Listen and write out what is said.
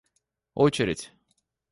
очередь